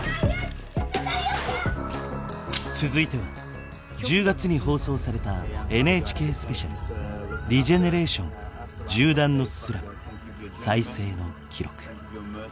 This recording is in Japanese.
続いては１０月に放送されたＮＨＫスペシャル「ＲＥＧＥＮＥＲＡＴＩＯＮ銃弾のスラム再生の記録」。